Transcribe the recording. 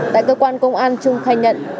tại cơ quan công an trung khai nhận